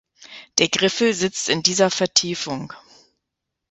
Der Griffel sitzt in dieser Vertiefung.